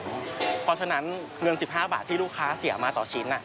เพราะฉะนั้นเงิน๑๕บาทที่ลูกค้าเสียมาต่อชิ้น